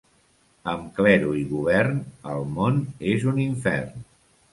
Amb clero i govern, el món és un infern.